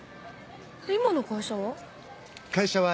今の会社は？